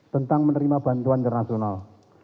tentang menerima bantuan internasional